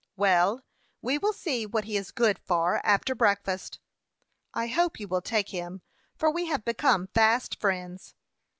"Well, we will see what he is good for, after breakfast." "I hope you will take him, for we have become fast friends."